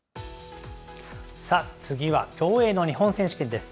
さあ、次は競泳の日本選手権です。